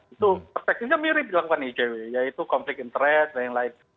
itu perspektifnya mirip dilakukan icw yaitu konflik interest dan lain lain